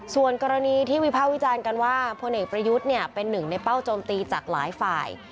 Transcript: ส่วนกรณีที่วิภาควิจารณ์กันว่าพลเอกประยุทธ์เป็นหนึ่งในเป้าโจมตีจากหลายฝ่าย